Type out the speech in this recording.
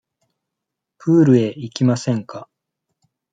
プールへ行きませんか。